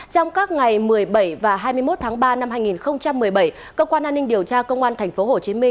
trong các ngày một mươi bảy và hai mươi một tháng ba năm hai nghìn một mươi bảy cơ quan an ninh điều tra công an tp hcm